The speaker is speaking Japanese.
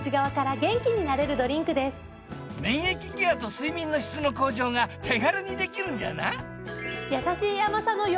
免疫ケアと睡眠の質の向上が手軽にできるんじゃな。